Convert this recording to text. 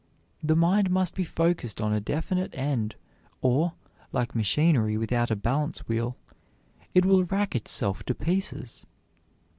The mind must be focused on a definite end, or, like machinery without a balance wheel, it will rack itself to pieces.